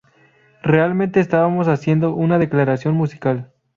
Realmente estábamos haciendo una declaración musical.